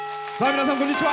皆さん、こんにちは。